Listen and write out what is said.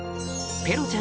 ペロちゃん！